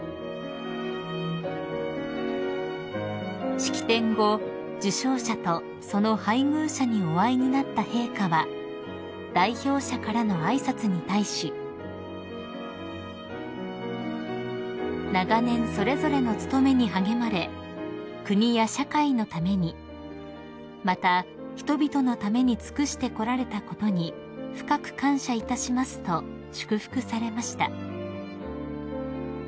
［式典後受章者とその配偶者にお会いになった陛下は代表者からの挨拶に対し「長年それぞれの務めに励まれ国や社会のためにまた人々のために尽くしてこられたことに深く感謝いたします」と祝福されました］